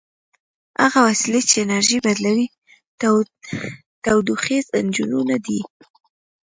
هغه وسیلې چې انرژي بدلوي تودوخیز انجنونه دي.